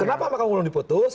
kenapa mahkamah belum diputus